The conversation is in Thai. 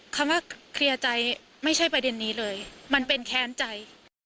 คำว่าเคลียร์ใจไม่ใช่ประเด็นนี้เลยมันเป็นแค้นใจ